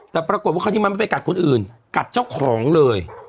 แต่ปรากฏว่าคราวนี้มันไม่ไปกัดคนอื่นกัดเจ้าของเลย